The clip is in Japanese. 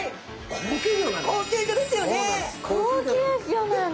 高級魚なんだ。